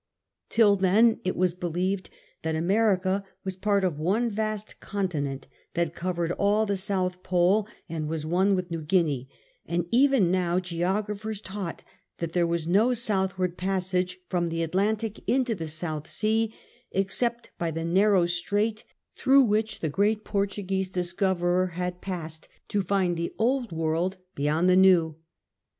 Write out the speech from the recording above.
Till then it was believed that America was part of one vast continent that covered all the South Pole, and was one with New Guinea ; and even now, geographers taught that there was no southward passage from the Atlantic into the South Sea except by the narrow strait through which the great Portuguese discoverer had passed to find the Old World beyond the New.